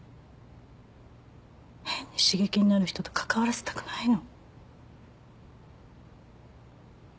変に刺激になる人と関わらせたくないの。